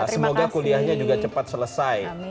semoga kuliahnya juga cepat selesai